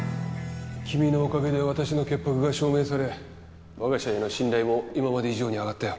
君のおかげで私の潔白が証明され我が社への信頼も今まで以上に上がったよ。